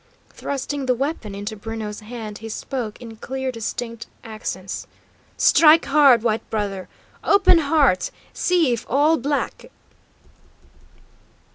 Thrusting the weapon into Bruno's hand, he spoke in clear, distinct accents: "Strike hard, white brother! Open heart; see if all black!"